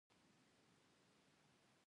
له بکټریوسایډل او بکټریوسټاټیک څخه عبارت دي.